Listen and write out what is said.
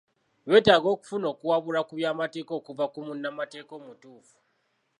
Beetaaga okufuna okuwabulwa ku by'amateeka okuva ku munnamateeka omutuufu.